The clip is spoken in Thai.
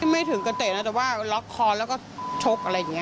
ไม่ถึงกระเตะนะแต่ว่าล็อกคอแล้วก็ชกอะไรอย่างนี้